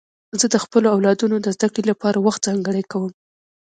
زه د خپلو اولادونو د زدهکړې لپاره وخت ځانګړی کوم.